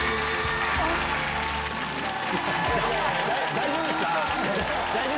大丈夫ですか？